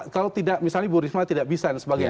kalau tidak misalnya bu risma tidak bisa dan sebagainya